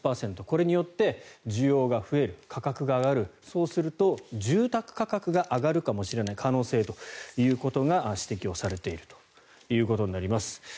これによって需要が増える価格が上がるそうすると住宅価格が上がるかもしれない可能性ということが指摘されているということです。